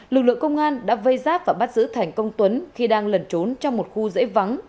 lực lượng công an đã vây giáp và bắt giữ thành công tuấn khi đang lẩn trốn trong một khu dễ vắng